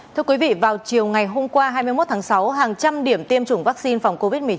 thưa quý vị vào chiều ngày hôm qua hai mươi một tháng sáu hàng trăm điểm tiêm chủng vaccine phòng covid một mươi chín